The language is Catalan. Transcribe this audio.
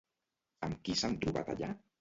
Amb qui s'han trobat allà?